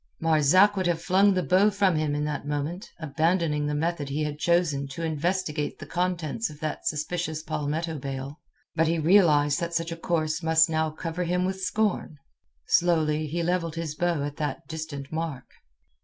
Marzak would have flung the bow from him in that moment, abandoning the method he had chosen to investigate the contents of that suspicious palmetto bale; but he realized that such a course must now cover him with scorn. Slowly he levelled his bow at that distant mark.